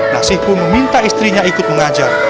nasiku meminta istrinya ikut mengajar